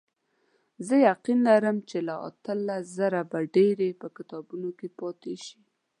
زه یقین لرم چې له اتلس زره به ډېرې په کتابونو کې پاتې شي.